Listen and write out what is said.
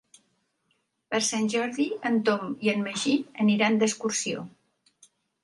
Per Sant Jordi en Tom i en Magí aniran d'excursió.